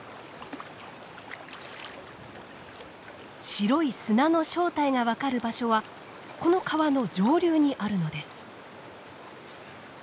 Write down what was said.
白い砂の正体が分かる場所はこの川の上流にあるのです。